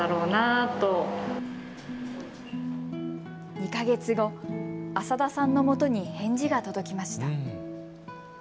２か月後、浅田さんの元に返事が届きました。